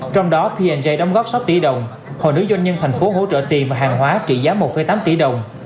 trong đó p j đóng góp sáu tỷ đồng hồ nữ doanh nhân thành phố hỗ trợ tiền và hàng hóa trị giá một tám tỷ đồng